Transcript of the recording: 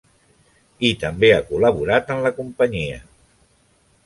I també ha col·laborat en la Cia.